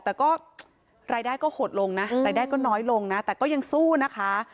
แต่ก็รายได้ก็หดลงนะรายได้ก็น้อยลงนะแต่ก็ยังสู้นะคะ